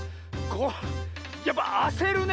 これやっぱあせるね